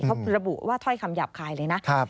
เขาระบุว่าถ้อยคำหยาบคายเลยนะ